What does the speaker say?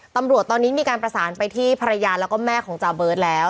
ตำรวจตอนนี้มีการประสานไปที่ภรรยาแล้วก็แม่ของจาเบิร์ตแล้ว